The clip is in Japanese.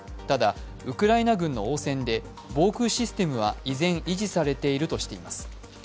ただウクライナ軍の応戦で防空システムは依然、維持されているとしています